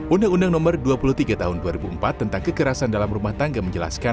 undang undang nomor dua puluh tiga tahun dua ribu empat tentang kekerasan dalam rumah tangga menjelaskan